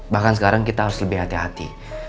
bahkan sekarang kita harus lebih hati hati